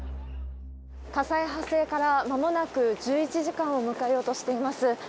火災発生からまもなく１１時間を迎えようとしています。